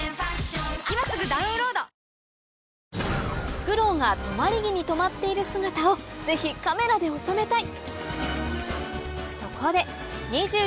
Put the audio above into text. フクロウが止まり木にとまっている姿をぜひカメラで収めたい！